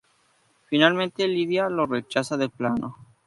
Finalmente, Lydia lo rechaza de plano.